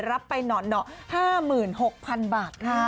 รับไปหน่อ๕๖๐๐๐บาทค่ะ